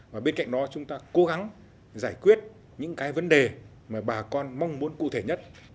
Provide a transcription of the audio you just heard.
và bên cạnh đó chúng ta cố gắng giải quyết những cái vấn đề mà bà con mong muốn cụ thể nhất